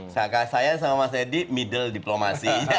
kakak saya sama mas edi middle diplomasi